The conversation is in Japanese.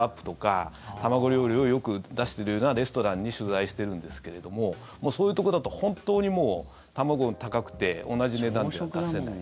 これ、特に卵料理をメインにする例えば朝食でサニーサイドアップとか卵料理をよく出してるようなレストランに取材してるんですけれどもそういうところだと本当にもう、卵が高くて同じ値段では出せない。